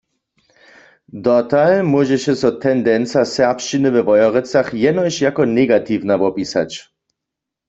Dotal móžeše so tendenca serbšćiny we Wojerecach jenož jako negatiwna wopisać.